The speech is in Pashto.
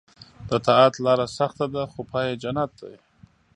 د طاعت لاره سخته ده خو پای یې جنت دی.